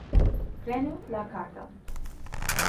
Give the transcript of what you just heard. Prenu la karton